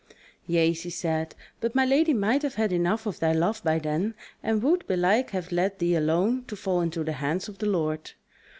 "Yea," she said, "but my lady might have had enough of thy love by then, and would belike have let thee alone to fall into the hands of the Lord.